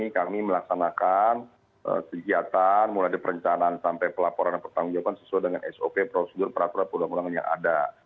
kami melaksanakan kegiatan mulai dari perencanaan sampai pelaporan dan pertanggung jawaban sesuai dengan sop prosedur peraturan undang undang yang ada